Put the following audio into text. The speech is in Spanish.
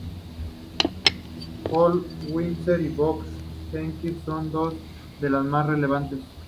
Holt-Winters y Box-Jenkins son dos de las más relevantes.